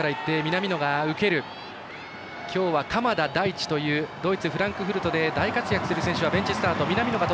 今日は鎌田大地というドイツ、フランクフルトで大活躍する選手はベンチスタート。